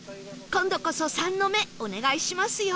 今度こそ「３」の目お願いしますよ